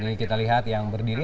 ini kita lihat yang berdiri